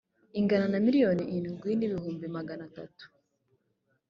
ingana na miliyoni indwi n ibihumbi magana atatu